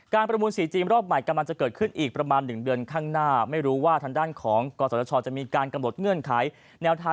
การประมูลสถิกฐรีย์รอบใหม่กำลังจะเกิดขึ้นอีกประมาณหนึ่งเดือนข้างหน้า